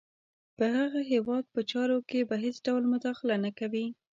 په هغه هیواد په چارو کې به هېڅ ډول مداخله نه کوي.